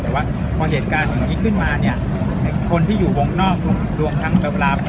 แต่ว่าพอเหตุการณ์เหยื่อนมิขึ้นมาคนที่อยู่วงนอกหรวงทั้งเวลาคราบ